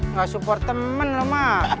gue nggak ingin dengerin